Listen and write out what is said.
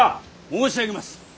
申し上げます。